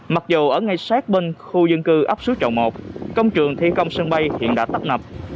mặc dù ở ngay sát bên khu dân cư ấp suối trọng một công trường thi công sân bay hiện đã tấp nập